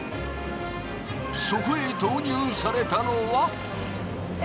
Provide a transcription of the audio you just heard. そこへ投入されたのは。え！？